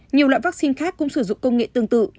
nhiều loại vaccine khác cũng sử dụng công nghệ tương tự